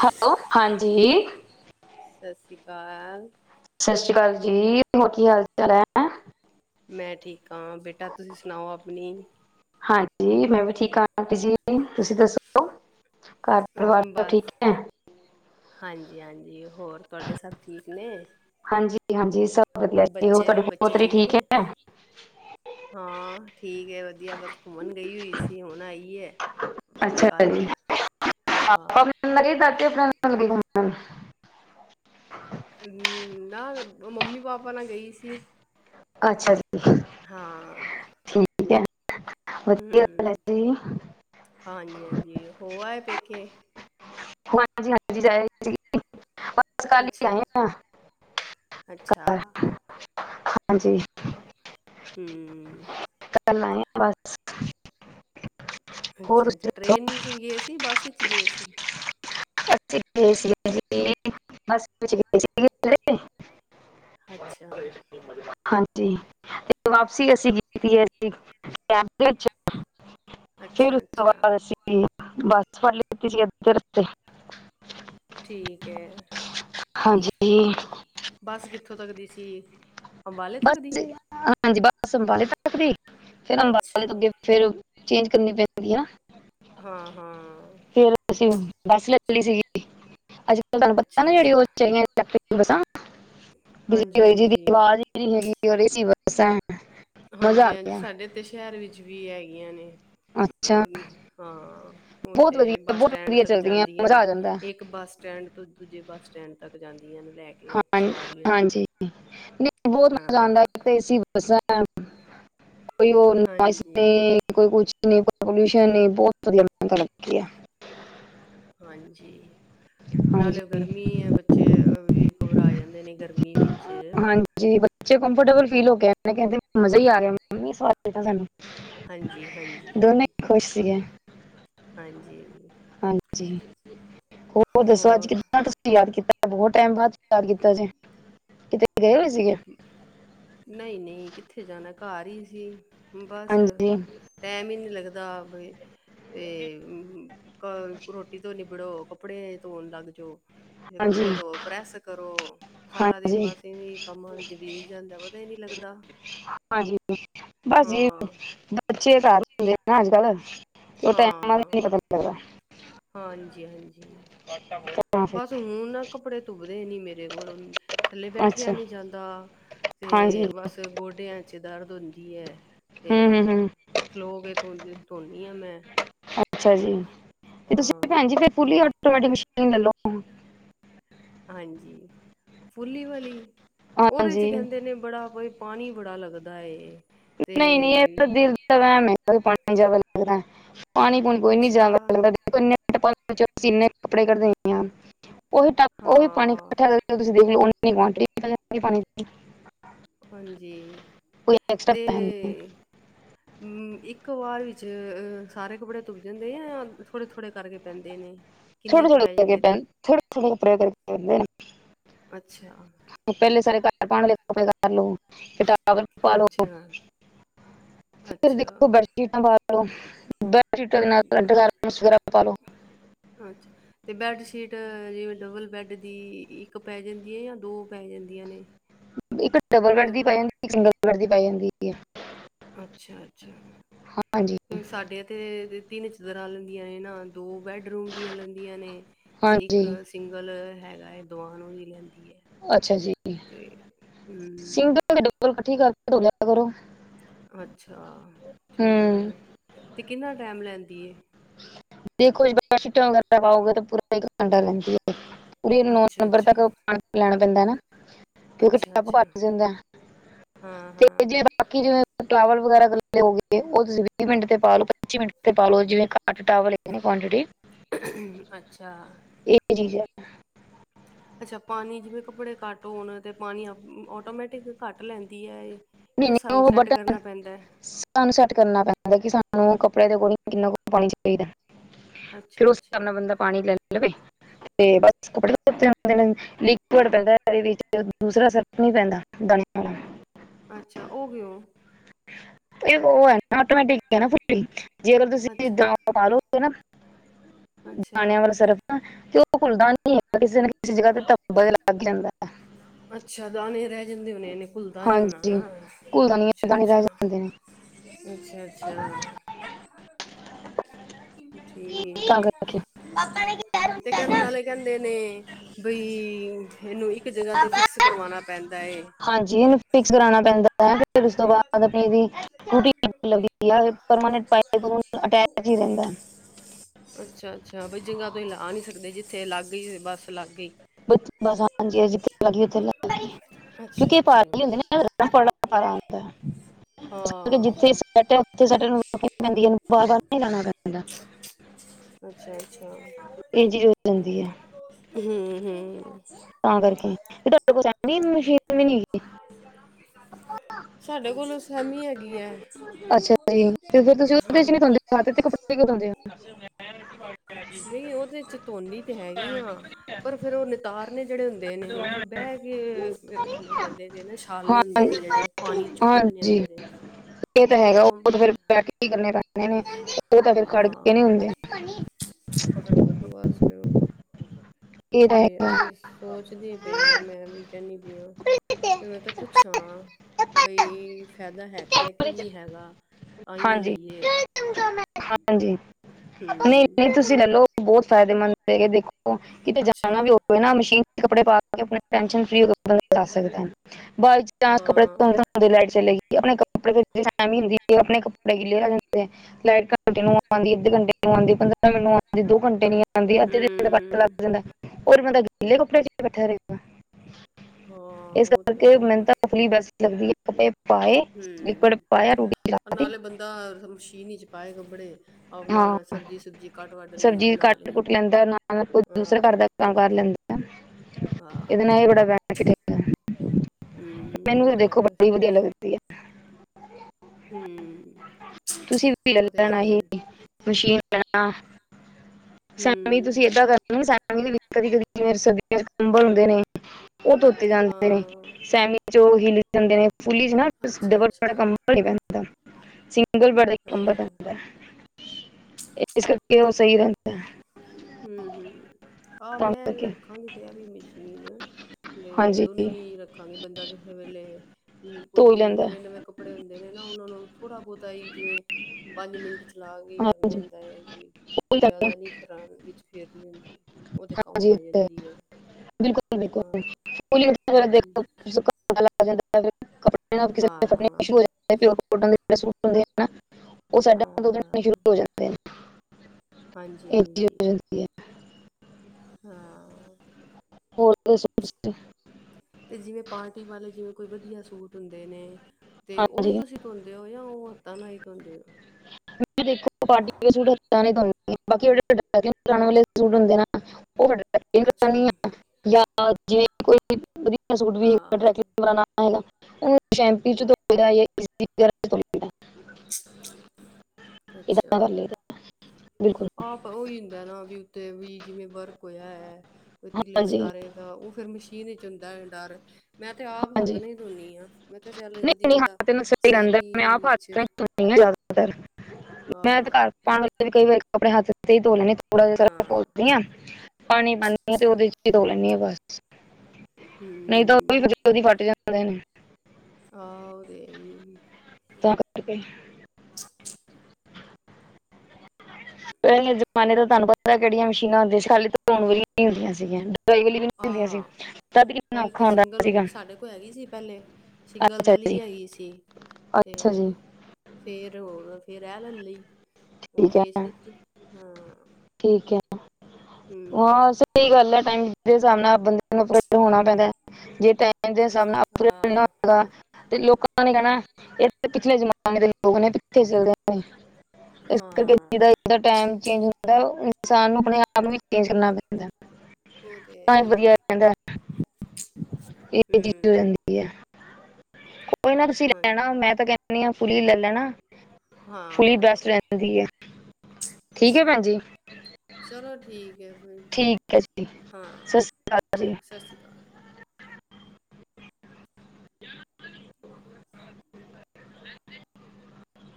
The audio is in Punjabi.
ਹੈਲੋ ਹਾਂਜੀ। ਸਤਿ ਸ੍ਰੀ ਅਕਾਲ। ਸਤਿ ਸ੍ਰੀ ਅਕਾਲ ਜੀ ਹੋਰ ਕੀ ਹਾਲ ਚਾਲ ਹੈ। ਮੈਂ ਠੀਕ ਹਾਂ ਬੇਟਾ ਤੁਸੀਂ ਸੁਣਾਓ ਆਪਣੀ। ਹਾਂਜੀ ਮੈਂ ਵੀ ਠੀਕ ਹਾਂ ਆਂਟੀ ਜੀ ਤੁਸੀਂ ਦੱਸੋ। ਘਰ ਪਰਿਵਾਰ ਸਭ ਠੀਕ ਬਸ ਹੈ ਹਾਂਜੀ, ਹਾਂਜੀ ਹੋਰ ਤੁਹਾਡੇ ਸਭ ਠੀਕ ਨੇ ਹਾਂਜੀ, ਹਾਂਜੀ ਸਭ ਵਧੀਆ ਜੀ ਹੋਰ ਬੱਚੇ ਤੁਹਾਡੇ ਬੱਚੇ ਪੋਤਰੀ ਠੀਕ ਨੇ ਹੈ। ਹਾਂ ਠੀਕ ਹੈ। ਵਧੀਆ ਬਸ ਘੁੰਮਣ ਗਈ ਹੋਈ ਸੀ ਹੁਣ ਆਈ। ਅੱਛਾ ਅੱਛ ਕੱਲ ਜੀ ਹਾਂ ਆਪ ਲਗੇ ਤਾਂਣੇ ਲਗੇ ਘੁੰਮਣ ਅ ਨਾ ਮੰਮੀ ਪਾਪਾ ਨਾਲ ਗਈ ਸੀ। ਅੱਛਾ ਜੀ। ਹਾਂ। ਠੀਕ ਹੈ। ਵਧੀਆ ਗੱਲ ਹਮ ਹੈ ਜੀ ਹਾਂਜੀ ਹਾਂਜੀ ਹੋ ਆਏ ਪੇਕੇ? ਹਾਂਜੀ ਹਾਂਜੀ ਜਾ ਆਈ ਸੀ। ਕੱਲ ਹੀ ਅੱਛਾ ਆਏ ਹ ਅੱਛਾ ਘਰ ਹਾਂਜੀ। ਹਾਂ ਹਮ। ਕੱਲ ਆਏ ਆ ਬਸ। ਹੋਰ ਅੱਛਾ, ਅੱਛਾ ਤੁਸੀਂ ਦੱਸੋ ਟ੍ਰੇਨ ਗਏ ਸੀ ਬੱਸ ਵਿਚ ਗਏ ਸੀ? ਅਸੀ ਗਏ ਸੀਗੇ ਜ ਬਸ ਚ ਗ ਸੀ। ਅੱਛਾ। ਹਾਂਜੀ। ਤੇ ਵਾਪਸੀ ਅਸੀਂ ਕੀਤੀ ਏ ਜੀ ਕੈਬ ਦੇ ਚ। ਅੱਛਾ, ਅੱਛਾ ਤੇ ਬੱਸ ਫੜ ਲੀਤੀ ਸੀ। ਅੱਧੇ ਰਸਤੇ ਠੀਕ ਹੈ। ਹਾਂਜੀ ਬੱਸ ਕਿੱਥੋਂ ਤੱਕ ਦੀ ਸੀ? ਅੰਬਾਲੇ ਤੱਕ ਦੀ? ਬਸ, ਹਾਂਜੀ ਬਸ ਅੰਬਾਲੇ ਤੱਕ ਦੀ। ਫੇਰ ਅੰਬਾਲੇ ਤੋਂ ਅੱਛਾ, ਅੱਗੇ ਫੇਰ ਚੇਂਜ ਕਰਨੀ ਪੈਂਦੀ ਏ ਨਾ। ਹਾਂ, ਹਾਂ ਫੇਰ ਅਸੀਂ ਬੱਸ ਲੈ ਲਈ ਸੀ ਗੀ। ਅੱਜ ਕੱਲ ਤੁਹਾਨੂੰ ਪੱਤਾ ਅੱਛਾ, ਨਾ ਜਿਹੜੀ ਅੱਛਾ। ਉਹ ਚਲਿਆਂ। ਬੱਸਾ ਹਾਂਜੀ, ਹਾਂਜੀ, [unintelligible] ਹਾਂਜੀ, ਹਾਂਜੀ, ਸਾਡੇ ਤੇ ਸ਼ਹਿਰ ਵਿੱਚ ਵੀ ਹੈਗੀਆਂ ਨੇ ਅੱਛਾ ਹਾਂ ਬਹੁਤ ਉੱਥੇ ਵਧੀਆ ਬੱਸ ਬਹੁਤ ਸਟੈਂਡ ਵਧੀਆ ਤੱਕ ਚੱਲਦੀਆਂ ਜਾਂਦੀਆਂ ਮਜ਼ਾ ਨੇ, ਆ ਜਾਂਦਾ ਹੈ। ਇੱਕ ਬੱਸ ਸਟੈਂਡ ਦੂਜੇ ਬੱਸ ਸਟੈਂਡ ਤੱਕ ਜਾਂਦੀਆਂ ਨੇ ਲੈ ਕੇ। ਹਾਂ ਸਵਾਰੀਆਂ ਨੂੰ। ਹਾਂਜੀ ਨਹੀਂ ਬਹੁਤ ਮਜਾ਼ ਆਂਦਾ। ਹਾਂ, ਏਸੀ ਬੱਸ ਐ ਕੋਈ ਉਹ ਨਾਈਸ ਨੇ। ਹਾਂਜੀ, ਕੋਈ ਕੁਛ ਨੀ, ਕੋਈ ਪੋਲਿਊਸ਼ਨ ਨੀ ਬਹੁਤ ਵਧੀਆ ਮ ਲੱਗੀ ਆ। ਹਾਂਜੀ। ਨਾਲੇ ਹਾਂਜੀ ਗਰਮੀ ਹੈ। ਬੱਚੇ ਵੀ ਘਬਰਾ ਜਾਂਦੇ ਨੇ ਗਰਮੀ ਵਿੱਚ। ਜੀ ਬੱਚੇ ਕੰਫਰਟੇਬਲ ਫੀਲ ਹੋ ਕੇ ਕਹਿੰਦੇ ਮਜ਼ਾ ਹੀ ਆ ਗਿਆ ਮੰ ਸਵਾਦਤਾ ਸਾਨੂੰ। ਹਾਂਜੀ, ਹਾਂਜੀ ਉਸ ਗਿਆ। ਹਾਂਜੀ। ਹਾਂਜੀ, ਹੋਰ ਦੱਸੋ ਅੱਜ ਕਿੱਦਾਂ ਤੁਸੀਂ ਯਾਦ ਕੀਤਾ ਬਹੁਤ ਟਾਈਮ ਬਾਅਦ ਯਾਦ ਕੀਤਾ ਦੇ, ਕਿਤੇ ਗਏ ਹੋਏ ਸੀਗੇ ਨਈ-ਨਈ ਕਿੱਥੇ ਜਾਣਾ ਘਰ ਈ ਸੀ। ਬਸ ਹਾਂਜੀ ਟੈਮ ਈ ਨੀ ਲੱਗਦਾ ਦੇ। ਤੇ ਕ ਰੋਟੀ ਤੋਂ ਨਿਬੜੋ ਕੱਪੜੇ ਧੋਣ ਲੱਗ ਜੋ ਹਾਂਜੀ ਕੱਪੜੇ ਧੋ, ਪ੍ਰੈਸ ਕਰੋ। ਸਾਰਾ ਦਿਨ ਹਾਂਜੀ ਬਸ ਵੀ ਕੰਮਾਂ ਵਿੱਚ ਬੀਤ ਜਾਂਦਾ ਪਤਾ ਈ ਨੀ ਲੱਗਦਾ। ਹਾਂਜੀ ਬਸ ਜੀ ਹਾਂ ਬੱਚੇ ਘਰ ਓਂਦੇ ਨਾ ਅੱਜ ਕੱਲ। ਉਹ ਟੈਮਾ ਦੀ ਹਾਂ ਨੀ ਪਤਾ ਲੱਗਦਾ। ਹਾਂਜੀ, ਹਾਂਜੀ। ਘਟਾ ਬਸ ਹੁਣ ਨਾ ਕੱਪੜੇ ਤੁੁੱਬਦੇ ਨੀ ਮੇਰੇ ਕੋਲ ਥੱਲੇ ਬੈਠਿਆ ਅੱਛਾ ਨੀ ਜਾਂਦਾ। ਹਾਂਜੀ ਤੇ ਬਸ ਗੋਡਿਆਂ ਚ ਦਰਦ ਹੁੰਦੀ ਐ। ਹੂੰ ਹੂੰ ਹੂੰ ਤੇ ਖਲੋ ਕੇ ਧੋਂ ਧੋਣੀ ਆ ਮੈਂ ਅੱਛਾ ਜੀ ਤੇ ਤੁਸੀਂ ਹਾਂ ਭੈਣ ਜੀ ਫਿਰ ਫੁਲੀ ਆਟੋਮੈਟਿਕ ਮਸ਼ੀਨ ਲੈਲੋ। ਹਾਂਜੀ ਫੁੱਲੀ ਵਾਲੀ ਉਹਦੇ ਚ ਹਾਂਜੀ ਕਹਿੰਦੇ ਨੇ ਬੜਾ ਬਈ ਪਾਣੀ ਬੜਾ ਲੱਗਦਾ ਏ। ਤੇ ਨਈ-ਨਈ ਇਹ ਤਾਂ ਦਿਲ ਦਾ ਵੈਮ ਏ। ਪਾਣੀ ਜਿਆਦਾ ਲੱਗਦਾ, ਪਾਣੀ-ਪੁਣੀ ਕੋਈ ਨੀ ਅੱਛਾ ਜਿਆਦਾ ਲੱਗਦਾ [inaudible] ਕੱਪੜੇ ਕੱਢ ਦੇਈ ਆ ਉਹੀ ਟਪ, ਉਹੀ ਪਾਣੀ ਹਾਂ ਕੱਠਿਆ ਕਰ ਤੁਸੀਂ ਦੇਖ ਲਓ [unintelligible] ਹਾਂਜੀ, ਕੋਈ ਐਕਸਟਰਾ ਤੇ ਤਾਂ ਹੈ ਨਹੀਂ ਮ ਇੱਕ ਵਾਰ ਵਿੱਚ ਅ ਸਾਰੇ ਕੱਪੜੇ ਧੁੱਪ ਜਾਂਦੇ ਯਾ ਥੋੜੇ-ਥੋੜੇ ਕਰਕੇ ਪੈਂਦੇ ਨੇ। ਕਿੰਨੇ ਕੁ ਛੋਟੇ-ਛੋਟੇ ਪੈ ਕਰਕੇ ਜਾਂਦੇ ਨੇ ਪੈਨ, ਛੋਟੇ-ਛੋਟੇ ਕਰਕੇ ਪਦੇ ਨੇ ਅੱਛਾ। ਪਹਿਲੇ ਸਾਰੇ ਘਰ ਪਾਣ ਆਲੇ ਕਪੜੇ ਕਰ ਲਓ। [unintelligible] ਪਾਲੋ ਅੱਛਾ ਫਿਰ ਅੱਛਾ ਦੇਖੋ ਬੈਡਸ਼ੀਟਾਂ ਪਾ ਪਾਲੋ, ਬੈਡਸੀ਼ਟਾ ਦੇ ਨਾਲ ਅਂਡਰਗਾਰਮੇਂਟਸ ਵਗੈਰਾ ਪਾ ਲੋ। ਅੱਛਾ। ਤੇ ਬੈਡਸ਼ੀਟ ਜਿਵੇਂ ਡਬਲ ਬੈਡ ਦੀ ਇੱਕ ਪੈ ਜਾਂਦੀ ਹੈ ਜਾਂ ਦੋ ਪੈ ਜਾਂਦੀਆਂ ਨੇ ਇੱਕ ਡਬਲ ਬੈਡ ਦੀ ਕਿਉਂਕਿ ਪੈ ਜਾਂਦੀ ਇੱਕ ਸਿੰਗਲ ਬੈਡ ਦੀ ਪਾਈ ਜਾਂਦੀ ਸੀ ਅੱਛਾ ਅੱਛਾ ਹੁਣ ਸਾਡੇ ਤਿੰਨ ਚਦਰਰਾਂ ਲੈਂਦੀਆਂ ਨੇ ਨਾ ਦੋ ਬੈਡਰੂਮ ਦੀਆਂ ਲੈਂਦੀਆਂ ਨੇ ਤੇ ਇੱਕ ਹਾਂਜੀ ਸਿੰਗਲ ਹੈਗਾ ਹੈ ਦਵਾਨ ਉਹਦੀ ਲੈਂਦੀ ਹੈ ਅੱਛਾ ਜੀ ਅਤੇ ਚਲ ਠੀਕ ਅੱਛਾ ਠੀਕ ਹੂੰ ਹੈ ਤੇ ਕਿੰਨਾ ਟੈਮ ਲੈਂਦੀ ਜੇ ਕੁ ਬਾਬਾ ਛੁਟੀਆਂ ਵਗੈਰਾ ਪਾਓਗੇ ਤਾਂ ਪੂਰਾ ਹੀਡ ਰਹਿੰਦੀ ਹੈ ਪੂਰੀ ਨੂੰ ਨੌ ਅੱਛਾ ਨੰਬਰ ਤੱਕ ਅੱਛਾ ਪਾ ਲੈਣਾ ਪੈਂਦਾ ਹਨਾ ਕਿਉਂਕਿ ਅੱਛਾ ਟੱਪ ਅੱਛਾ ਭਰ ਜਾਂਦਾ ਹਾਂ ਤੇ ਹਾਂ ਜੇ ਬਾਕੀ ਜਿਵੇਂ ਟਾਵਲ ਵਗੈਰਾ ਹੋ ਗਏ ਉਹ ਤੁਸੀਂ ਵੀਹ ਮਿੰਟ ਤੇ ਪਾਲਓ ਪੱਚੀ ਮਿੰਟ ਤੇ ਪਾਲਓ ਜਿਵੇਂ ਕਾਟ ਟਾਵਲ [unintelligible] ਅੱਛਾ ਇਹ ਚੀਜ਼ ਹੈ ਅੱਛਾ ਪਾਣੀ ਜਿਵੇਂ ਕੱਪੜੇ ਘੱਟ ਹੋਣ ਤੇ ਪਾਣੀ ਅ ਆਟੋਮੈਟਿਕ ਘੱਟ ਲੈਂਦੀ ਐ। ਨਹੀਂ ਯਾ ਨਹੀਂ ਸਾਨੂੰ ਉਹ ਸੈਟ ਬਟਨ ਕਰਨਾ ਪੈਂਦਾ ਐ। ਸਾਨੂੰ ਸੈਟ ਕਰਨਾ ਪੈਂਦਾ ਕਿ ਸਾਨੂੰ ਕੱਪੜੇ ਦੇ ਕੋਰਡਿਂਗ ਕਿੰਨਾ ਕੁ ਪਾਣੀ ਚਾਈਦਾ। ਫਿਰ ਅੱਛਾ ਉਸ ਹਿਸਾਬ ਅੱਛਾ ਨਾਲ ਬੰਦਾ ਪਾਣੀ ਲੈ ਲਵੇ, ਤੇ ਬਸ ਕੱਪੜੇ ਧੁਪ ਜਾਨ। [unintelligible] ਲਿਕਵਡ ਪੈਂਦਾ ਇਹਦੇ ਵਿੱਚ ਦੂਸਰਾ ਸਰਫ ਨੀ ਪੈਂਦਾ ਦਾਨੇਆ ਆਲਾ। ਅੱਛਾ, ਓ ਕਯੋਂ? ਇਹ ਉਹ ਹੈ ਨਾ ਆਟੋਮੈਟਿਕ ਐ ਨਾ [unintelligible] ਜੇ ਅਗਰ ਤੁਸੀਂ ਅੱਛਾ [unintelligible] ਪਾ ਲੋਗੇਨਾ ਦਾਣਿਆਂ ਅੱਛਾ ਵਾਲਾ ਸਰਫ ਨਾ ਤੇ ਉਹ ਘੁਲਦਾ ਨੀ ਹੈਗਾ ਕਿਸੇ ਨਾ ਕਿਸੇ ਜਗਾ ਤੇ ਧਬ ਲਗ ਜਾਂਦਾ ਹੈ। ਅੱਛਾ ਦਾਣੇ ਰਹਿ ਜਾਂਦੇ ਹੋਣੇ ਇਹਨੇ ਘੁੱਲਦਾ ਹੀ ਹੋਣਾ ਹਾਂਜੀ ਨਾ ਘੁਲਦਾ ਨਹੀਂ ਹੈ, ਅੱਛਾ, ਦਾਣੇ ਰਹਿ ਅੱਛਾ। ਜਾਂਦੇ ਨੇ ਅੱਛਾ, ਅੱਛਾ। ਤਾਂ ਠੀਕ। ਕਰਕੇ ਤੇ ਕਹਿਣ ਨਾਲੇ ਕਹਿੰਦੇ ਨੇ ਬਈ ਇਹਨੂੰ ਇੱਕ ਜ ਤੇ ਫਿਕਸ ਕਰਵਾਉਣਾ ਪੈਂਦਾ ਹੇ। ਹਾਂਜੀ ਇਹਨੂੰ ਫਿਕਸ ਕਰਾਉਣਾ ਪੈਂਦਾ ਹੈ ਫਿਰ ਉਸ ਤੋਂ ਬਾਅਦ ਆਪਣੀ ਇਹਦੀ ਸਕੂ ਪਰਮਾਨੰਦ ਪਾਇਆ ਕਰੋ ਅਟੈਚ ਹੀ ਰਹਿੰਦਾ। ਅੱਛਾ, ਅੱਛਾ ਬ ਜਗਾ ਤੁਸੀਂ ਹੀਲਾ ਨਹੀਂ ਸਕਦੇ ਜਿੱਥੇ ਲੱਗ ਗਈ ਬੱਸ ਲੱਗ ਗਈ। ਬੱਚ ਬਸ ਹਾਂਜੀ ਅ ਅੱਛਾ ਕਿਉਂਕਿ ਇਹ ਅੱਛਾ। ਪਾਰੀ ਹੁੰਦੇ ਪ ਹੁੰਦਾ ਇਸ ਕਰਕੇ ਹਾਂ ਜਿੱਥੇ ਅਸੀਂ ਬੈਠੇ ਉਥੇ ਸਾਡੇ ਰਕ ਨ ਪੈਂਦੀ ਬਾਰ ਵਾਰ ਨਹੀਂ ਲਾਣਾ ਪੈ ਪੈਂਦਾ। ਅੱਛਾ, ਅੱਛਾ। ਇਹ ਚੀਜ਼ ਹੋ ਜਾਂਦੀ ਹੈ ਹਮ, ਹਮ ਤਾਂ ਕਰਕੇ ਤੁਹਾਡੇ ਕੋਲ ਸਹਿਮੀ ਮਸ਼ੀਨ ਵੀ ਨੀ ਸਾਡੇ ਕੋਲੋਂ ਸਹਿਮੀ ਹੈਗੀ ਹੈ। ਅੱਛਾ ਫ ਤੁਸੀਂ ਉਹ ਚ ਹਾਂਜੀ। ਤੌਦੇ ਕਪੜੇਦੇ ਨਹੀਂ ਉਹਦੇ ਚ ਤੋਨੀ ਤੇ ਹੈਗੀ ਆ। ਪਰ ਫਿਰ ਉਹ ਨਿਤਾਰਨੇ ਜਿਹੜੇ ਹੁੰਦੇ ਨੇ ਉਹ ਫਿਰ ਬਹਿ ਕੇ ਫਿਰ ਕਰਨੇ ਪੈਂਦੇ ਨਾ ਹੋ ਛਾਲਣੇੇ ਹਾਂ ਹੁੰਦੇ ਨੇ ਜਿਹੜੇ ਪਾਣੀ ਚੋਂ ਕੱਢਣ ਹਾਂਜੀ ਇਹ ਤਾਂ ਹੈਗਾ ਉਹ ਫਿਰ ਕਰਨੇ ਪੈਣੇ ਨੇ ਉਹ ਤਾਂ ਫਿਰ ਖੜ ਕੇ ਨੀ ਹਾਂ ਹੁੰਦੇ। ਬਸ ਫਿਰ ਉਹ ਇਹ ਤਾਂ ਤੇ ਹੈਗਾ ਅਸੀਂ ਸੋਚਦੇ ਪਏ ਹਾਂ ਮੈਂ ਵੀ ਕਹਿੰਦੀ ਪਈ ਹਾਂ। ਫ ਮੈਂ ਕਿਹਾ ਪੁੱਛਾਂ ਬਈ ਫਾਇਦਾ ਹੈਗਾ ਹੈ ਕਿ ਨਹੀਂ ਹੈਗਾ। ਆਈ ੳ ਹਾਂਜੀ ਲਈਏ। ਹਾਂਜੀ, ਨਹੀਂ ਹੂੰ ਨਹੀਂ। ਤੁਸੀਂ ਲੈਲੋ ਬਹੁਤ ਫ਼ਾਇਦੇਮੰਦ ਹੈਗੀ ਦੇਖੋ ਕਿਤੇ ਅੱਛਾ ਜਾਣਾ ਵੀ ਹੋਵੇ ਨਾ ਮਸ਼ੀਨ ਕੱਪੜੇ ਪਾ ਕੇ ਆਪਣੇ ਟੇਨਸ਼ਨ ਫ੍ਰੀ ਹੋ ਕੇ ਬੰਦਾ ਪਾ ਸਕਦਾ ਬਾਈ ਚਾਂਸ ਕੱਪੜੇ ਹਾਂ ਧੋ ਲਾਈਟ ਚਲੇ ਗਈ ਆਪਣੇ ਕੱਪੜੇ ਹੁੰਦੀ ਆਪਣੇ ਕੱਪੜੇ ਗਿਲੇ ਲਾਈਟ ਘੰਟੇ ਨੂੰ ਆਉਂਦੀ ਅੱਧ ਘੰਟੇ ਨੂੰ ਆਉਂਦੀ ਪੰਦਰਾਂ ਘਟ ਨੂੰ ਆਉਂਦੀ ਦੋ ਘੰਟੇ ਨੀ ਆਦੀ ਆਦੀ ਅੱਧੇ ਦਿਨ ਦਾ ਕਟ ਹੂੰ ਲੱਗ ਜਾਂਦਾ ਉਹ ਰ ਬੰਦਾ ਗਿੱਲੇ ਕੱਪੜੇ ਚ ਬੈਠਾ ਰਹੇ ਗਾ ਹਾਂ ਇਸ ਉਹ ਤੇ ਕਰਕੇ ਹੈ ਹੀ ਮਿਹਨਤਾ ਹੈ। ਫੂਲੀ ਬੇਸਟ ਲਗਦੀ ਹੈ ਕੱਪੜੇ ਪਾਏ ਲਿਕਵਡ ਪਾਇਆ ਟੂਟੀ ਚਲਾਤੀ। ਦਰ [unintelligible] ਮਸ਼ੀਨ ਚ ਪਾਏ ਕੱਪੜੇ ਆਓ ਹਾਂ ਬਣਾਣਾ ਸਬਜ਼ੀ ਸੁਬਜੀ ਕੱਟ ਵੱਟ ਲਈ ਬਣਾ ਲਈ ਮਤ ਦੂਸਰੇ ਹਾਂ ਘਰ ਦਾ ਕੰਮ ਕਰ ਲੈਂਦੇ ਆ ਹਾਂ ਇਹਦੇ ਨਾਲ ਇਹ ਬੜਾ ਬੈਨੀਫਿਟ ਹਮ ਮੈਨੂੰ ਉਹ ਤਾਂ ਤੇ ਦੇਖੋ ਹੈਗਾ ਬੜੀ ਹੀ ਵਧੀਆ ਲੱਗਦੀ ਹੈ ਹਮ ਤੁਸੀਂ ਵੀਰ ਉਹ ਤੇ ਲੈਣਾ ਹੈਗਾ ਸੀ, ਮਸ਼ੀਨ ਲੈਣਾ ਸਾਡੇ ਲਈ ਹਮ ਤੁਸੀਂ ਏਦਾਂ ਕਰਨੀ ਸਵ ਕਦੀ- ਕਦੀ ਜਿਵੇਂ ਸਰਦੀਆਂ ਦੇ ਕੰਬਲ ਹੁੰਦੇ ਨੇ ਉਹ ਧੋਤੇ ਜਾਂਦੇ ਨੇ ਹਾਂ ਸ ਜੋ ਉਹ ਹਿੱਲੀ ਜਾਂਦੇ ਨੇ ਫੁਲੀ ਸੀਨਾ ਅੱਛਾ ਡਬਲ ਅੱਛਾ ਕੰਮ ਨੀ ਪੈਂਦਾ ਡਬਲ ਬੇਡ ਦਾ ਇਕ ਕੰਬਲ ਹਾਂ ਪਹਿਨਦੇ ਇਸ ਕਰਕੇ ਉਹ ਸਹੀ ਰਹਿੰਦਾ ਹਮ ਹਮ ਆਹ ਤਾਂ ਮੈਂ ਕਰਕੇ ਰੱਖਾਂਗੀ ਤੇ ਆ ਵੀ ਮਸ਼ੀਨ। ਦੇ ਹਾਂਜੀ ਦੋਨੋਂ ਹੀ ਰੱਖਾਂਗੇ ਬੰਦਾ ਕਿਸੇ ਵੇਲੇ ਕੋਈ ਧੋ ਹੀ ਜਿਵੇਂ ਲੈਂਦਾ ਹੈ। ਨਵੇਂ ਨਵੇਂ ਕੱਪੜੇ ਕੱਪੜੇ ਹੁੰਦੇ ਨੇ ਨਾ ਉਹਨਾਂ ਨੂੰ ਥੋੜਾ ਬਹੁਤਾ ਹੀ ਜਿਵੇਂ ਪੰਜ ਮਿੰਟ ਚਲਾ ਕੇ ਕਰਨਾ ਹਾਂਜੀ ਹੁੰਦਾ ਹੈ ਵੀ ਧੋ ਹੀ ਲੈਂਦਾ ਹੈ। ਜ਼ਿਆਦਾ ਨਹੀਂ ਕਰਾਉਣ ਵਿੱਚ ਫੇਰ ਨੀ ਹੁੰਦੀ ਉਹਦੇ ਹਾਂਜੀ ਕੰਮ ਉਹ ਆ ਤੇ ਜਾਂਦੀ ਹੈ ਬਿਲਕੁੱਲ ੱੜ ਫਟ ਹਾਂ ਸ਼ੁਰੂ [unintelligible] ਕੋਹ ਹਾਂ ਸੂਟ ਹੁੰ ਉਹ ਸਾਡੇ ਦੋ ਹਾਂ ਦਿਨਣੇ ਸ਼ੁਰੂ ਹੋ ਜਾਂਦੇ [unintelligible] ਇਹ ਚੀਜ਼ ਹਾਂਜੀ-ਹਾਂਜੀ। ਹੋ ਜਾਂਦੀ ਹੈ ਹਾਂ ਹੋਰ ਤੇ ਜਿਵੇਂ ਪਾਰਟੀ ਵਾਲੇ ਜਿਵੇਂ ਕੋਈ ਵਧੀਆ ਸੂਟ ਹੁੰਦੇ ਨੇ ਤੇ ਉਹ ਹਾਂਜੀ ਵੀ ਤੁਸੀਂ ਧੋਂਦੇ ਹੋ ਜਾਂ ਉਹ ਹੱਥਾਂ ਨਾਲ ਹੀ ਧੋਂਦੇ ਹੋ ਦੇਖੋ ਪਾਰਟੀ ਸੂਟ ਸਾਰੇ ਧੋਦੇਂ ਹਾਂ ਬਾਕੀ ਜਿਹੜੇ ਆਉਣ ਜਾਣ ਵਾਲੇ ਸੂਟ ਹੁੰਦੇ ਨਾ ਉਹ ਅੱਛਾ ਆ ਜਾਂ ਜਿਵੇਂ ਕੋਈ ਵਧੀਆ ਸੂਟ ਹਾਂ ਵੀਗਾ ਹਨਾ ਉਹਨੂੰ ਸ਼ਪੀ ਚ ਲਈਦਾ [unintelligible] [unintelligible] ਅੱਛਾ ਇਹਦਾਂ ਕਰ ਲਈ, ਬਿਲਕੁਲ ਆਪ ਉਹੀ ਹੁੰਦਾ ਨਾ ਵੀ ਉੱਥੇ ਵੀ ਜਿਵੇਂ ਵਰਕ ਹੋਇਆ ਹੈ ਤੀਲੇ ਹਾਂਜੀ ਸਿਤਾਰੇ ਉਹ ਫਿਰ ਮਸ਼ੀਨ ਚ ਹੁੰਦਾ ਹੈ ਡਰ ਮੈਂ ਤੇ ਆਪ ਹਾਂਜੀ ਹੱਥ ਨਾਲ ਧੋਂਦੀ ਆਂ ਮੈਂ ਕਿਹਾ ਚੱਲ ਕਦੀ ਵੀ ਤਾਂ ਸਹਿਬੀ ਵਿੱਚ ਜ਼ਿਆਦਾਤਰ ਮੈਂ ਤੇ ਹਾਂ ਘਰ ਪਾਉਣ ਵਾਲੇ ਵੀ ਕਈ ਵਾਰੀ ਕੱਪੜੇ ਹੱਥ ਨਾਲ ਧੋ ਲੈੇਦੀਂ ਥੋੜ੍ਹਾ ਜਿਹਾ ਸਰਫ ਹਾਂ ਘੋਲਦੀ ਹਾਂ ਪਾਣੀ ਪਾਉਂਦੀ ਤੇ ਉਹਦੇ ਚ ਹੀ ਧੋ ਲੈਂਦੀ ਹਾਂ ਬਸ ਹੂੰ ਨਹੀਂ ਤਾਂ ਉਹ ਹੂੰ ਵੀ ਕਦੀ ਫੱਟ ਜਾਂਦੇ ਨੇ ਆਹ ਉਹ ਦੇ ਤਾਂ ਕਰਕੇ ਪ ਜਮਾਨੇ ਦਾ ਤਾਂ ਤੁਹਾਨੂੰ ਪਤਾ ਕਿਹੜੀਆਂ ਮਸ਼ੀਨਾਂ ਹੁੰਦੀਆਂ ਸੀ ਖਾਲੀ ਧੋਣ ਵਾਲੀਆਂ ਨਹੀਂ ਹੁੰਦੀਆਂ ਸੀਗੀਆਂ ਡਰਾਈ ਵਾਲੀ ਵੀ ਨਹੀਂ ਹੁੰਦੀਆਂ ਸੀ ਆਹ, ਤਦ ਕਿੰਨਾ ਪਹਿਲੇ ਔਖਾ ਤਾਂ ਹੁੰਦਾ ਸਿੰਗਲ ਸੀਗਾ ਹੁੰਦੀ ਸੀ ਸਾਡੇ ਕੋਲ ਹੈਗੀ ਸੀ ਪਹਿਲੇ ਸਿੰਗਲ ਅੱਛਾ ਵਾਲੀ ਜੀ ਹੈਗੀ ਸੀ ਤੇ ਅੱਛਾ ਜੀ ਫੇਰ ਹੋਰ ਲੈ ਲਈ ਉਹ ਠੀਕ ਵੇਚ ਹੈ ਦਿੱਤੀ ਹਾਂ ਠੀਕ ਹੈ ਹੂੰ ਹਾਂ ਸਹੀ ਗੱਲ ਆ ਟਾਈਮ ਦੇ ਹਿਸਾਬ ਨਾਲ ਬੰਦੇ ਨੂੰ ਹੋਣਾ ਪੈਂਦਾ ਜੇ ਕਹਿੰਦੇ ਸਾਬ ਅ੍ਰਲ ਹਾਂ ਹੋਗਾ ਤੇ ਲੋਕਾਂ ਨੇ ਕਹਿਣਾ ਇਹ ਪਿਛਲੇ ਜਮਾਨੇ ਦੇ ਲੋਕ ਨੇ ਪਿੱਛੇ ਚਲਦੇ ਨੇ ਇਸ ਕਰਕੇ ਜਿਸ ਹਾਂ ਤਰਾਂ ਟਾਈਮ ਚੇਂਜ ਹੁੰਦਾ ਇਨਸਾਨ ਨੂੰ ਆਪਣੇ ਆਪ ਹੀ। ਚੇਂਜ ਕਰਨਾ ਪੈਂਦਾ ਉਹ ਤੇ ਹੈ ਤਾਂਹੀ ਵਧੀਆ ਰਹਿੰਦਾ ਇਹ ਚੀਜ਼ ਹੋ ਹੀ ਜਾਂਦੀ ਕੋਈ ਨਾ ਤੁਸੀਂ ਹਮ ਹਾਂ ਲੈਣਾ ਮੈਂ ਤਾਂ ਕਹਿੰਦੀ ਆ ਫੁਲੀ ਲੈ ਲੈਣਾ ਹਾਂ ਫੁਲੀ ਬੈਸਟ ਹਾਂ ਰਹਿੰਦੀ ਹੈ ਠੀਕ ਹੈ ਭੈਣ ਜੀ ਚਲੋ ਠੀਕ ਹੈ ਫਿਰ, ਠੀਕ ਹੈ ਜੀ ਸਤਿ ਹਾਂ ਸ਼੍ਰੀ ਅਕਾਲ ਜੀ ਠੀਕ ਸਤਿ ਸ਼੍ਰੀ ਅਕਾਲ। [inaudible] [inaudible]